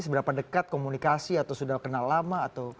seberapa dekat komunikasi atau sudah kenal lama atau